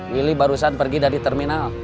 willy barusan pergi dari terminal